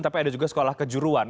tapi ada juga sekolah kejuruan